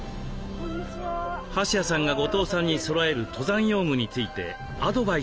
橋谷さんが後藤さんにそろえる登山用具についてアドバイスすることに。